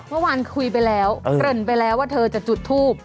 เมื่อวานคุยไปแล้วเกริ่นไปแล้วว่าเธอจะจุดทูบ